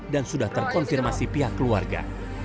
dan sudah terkonfirmasi pihak keluarga